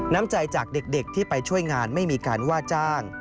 น้ำใจจากเด็กที่ไปช่วยงานไม่มีการว่าจ้าง